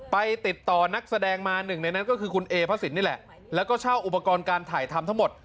ไปติดต่อนักแสดงมาหนึ่งในนั้นก็คือคุณเอพระสินนี่แหละแล้วก็เช่าอุปกรณ์การถ่ายทำทั้งหมด